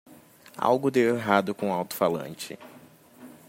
Algo deu errado com o alto-falante.